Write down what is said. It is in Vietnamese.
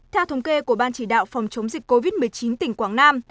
theo thống kê của ban chỉ đạo phòng chống dịch covid một mươi chín tỉnh quảng nam